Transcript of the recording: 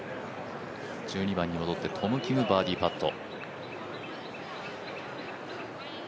１２番に戻ってトム・キムバーディーパット。